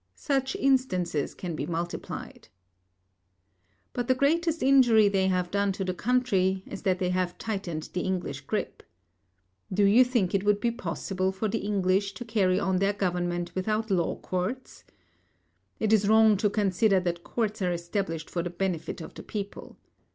Such instances can be multiplied. But the greatest injury they have done to the country is that they have tightened the English grip. Do you think that it would be possible for the English to carry on their government without law courts? It is wrong to consider that courts are established for the benefit of the people.